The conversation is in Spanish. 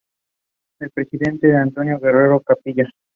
Su presidente es Antonio Guerrero Capilla.